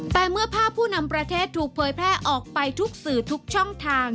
แต่เมื่อไปีอ่พู่นำประเทศถูกเผยออกไปทุกสื่อทุกช่องทาง